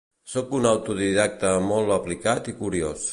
Sóc un autodidacte molt aplicat i curiós